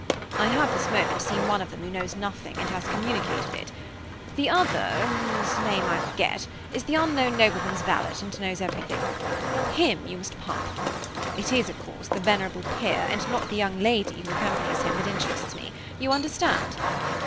I have, this moment, seen one of them who knows nothing, and has communicated it. The other, whose name I forget, is the unknown nobleman's valet, and knows everything. Him you must pump. It is, of course, the venerable peer, and not the young lady who accompanies him, that interests me you understand?